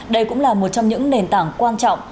đây cũng là một trong những nền tảng quan trọng